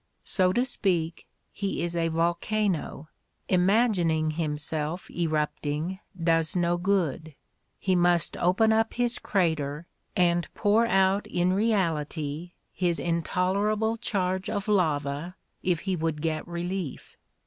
So to speak, he is a volcano ; imagin ing himself erupting does no good; he must open up his crater and pour out in reality his intolerable charge of lava if he would get relief.